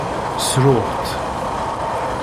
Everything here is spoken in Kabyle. Ssruɣ-tt.